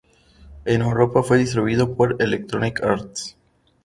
En Europa fue distribuido por Electronic Arts.